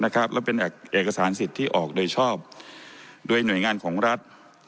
และเป็นเอกสารสิทธิ์ที่ออกโดยชอบโดยหน่วยงานของรัฐ